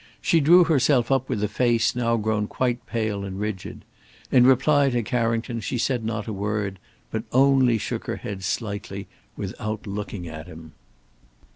She drew herself up with a face now grown quite pale and rigid. In reply to Carrington, she said not a word, but only shook her head slightly without looking at him.